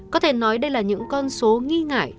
có thể nói đây là những con số nghi ngại